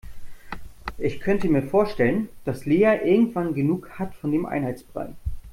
Ich könnte mir vorstellen, dass Lea irgendwann genug hat von dem Einheitsbrei.